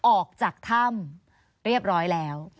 ออกจากถ้ำเรียบร้อยแล้ว